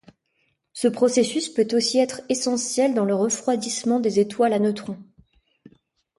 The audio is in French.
Ce processus peut aussi être essentiel dans le refroidissement des étoiles à neutrons.